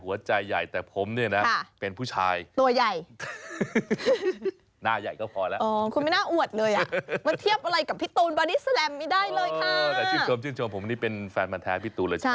เอ่อใช่ใช่อย่างนี้